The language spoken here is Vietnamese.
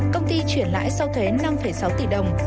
công ty chuyển lãi sau thuế năm sáu tỷ đồng